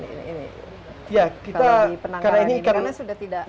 kalau di penangkaran ini karena sudah tidak